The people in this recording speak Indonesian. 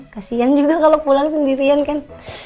kasian juga kalau pulang sendirian kan